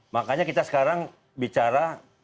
makanya kita sekarang bicara